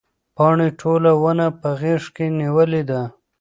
پاڼې ټوله ونه په غېږ کې نیولې ده.